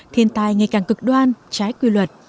thiên tai ngày càng cực đoan trái quy luật